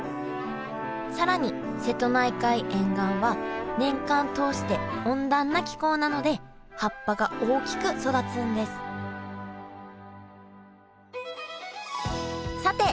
更に瀬戸内海沿岸は年間通して温暖な気候なので葉っぱが大きく育つんですさて